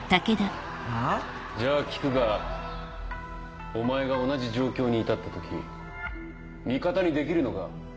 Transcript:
あ？じゃあ聞くがお前が同じ状況に至った時味方にできるのか？